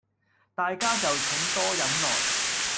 大家就請多忍耐